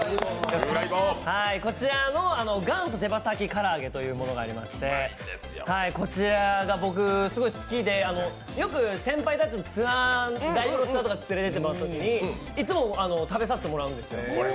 こちらに元祖手羽元唐揚げというものがありまして、こちらが僕、すごい好きでよく先輩たちのライブのツアーに連れて行ってもらうときにいつも食べさせてもらうんですよ。